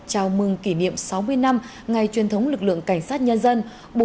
chào mừng kỷ niệm sáu mươi năm ngày truyền thống lực lượng cảnh sát nhân dân